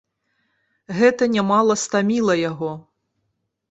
Гэта нямала стаміла яго.